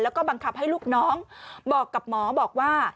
แล้วก็บังคับให้ลูกน้องบอกกับหมอบอกว่า